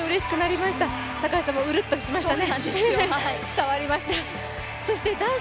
高橋さんも、うるっとしましたね。